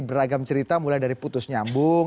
beragam cerita mulai dari putus nyambung